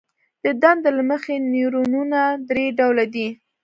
د دندې له مخې نیورونونه درې ډوله دي.